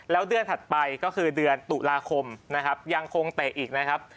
แล้วเดือนถัดไปก็คือเดือนตุลาคมนะครับยังคงเตะอีกนะครับ